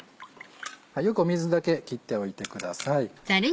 よく水だけ切っておいてください。